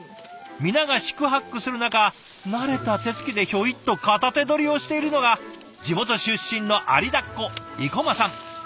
皆が四苦八苦する中慣れた手つきでひょいっと片手どりをしているのが地元出身の有田っ子生駒さん。